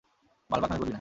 বাল পাকনামি করবি না।